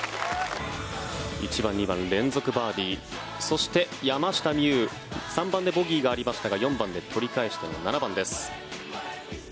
１番、２番連続バーディーそして、山下美夢有３番でボギーがありましたが４番で取り返しての７番です。